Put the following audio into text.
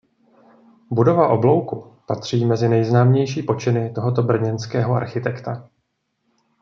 Budova Oblouku patří mezi nejznámější počiny tohoto brněnského architekta.